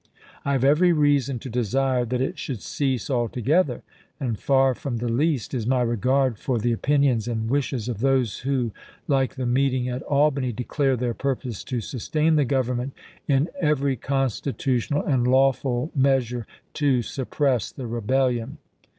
I have every reason to desire that it should cease altogether, and far from the least is my regard for the opinions and wishes of those who, like the meeting at Albany, declare uncoin to their purpose to sustain the Government in every consti corning tutional and lawful measure to suppress the rebellion.